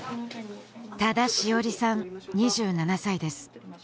多田詩織さん２７歳です